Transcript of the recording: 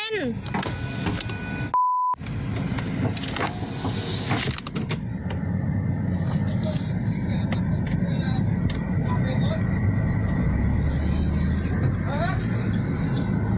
ส้มมันต้องมา